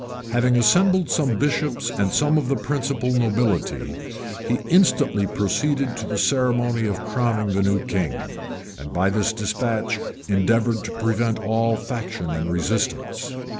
Having assembled some bishops and some of the principal nobility, he instantly proceeded to the ceremony of crowning the new king;[] and by this despatch endeavored to prevent all faction and resistance.